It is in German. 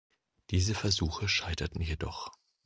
Diese Versuche scheiterten jedoch.